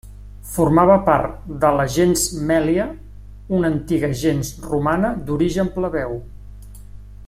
Formava part de la gens Mèlia, una antiga gens romana d'origen plebeu.